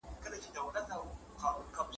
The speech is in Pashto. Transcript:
خیال دي لېمو کي زنګوم جانانه هېر مي نه کې .